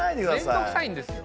めんどくさいんですよ。